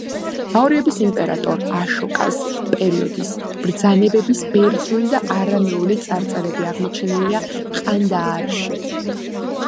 მაურიების იმპერატორ აშოკას პერიოდის ბრძანებების ბერძნული და არამეული წარწერები აღმოჩენილია ყანდაარში.